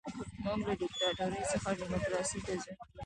موږ له دیکتاتورۍ څخه ډیموکراسۍ ته ځو.